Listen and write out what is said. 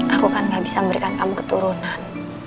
aku kan gak bisa memberikan kamu keturunan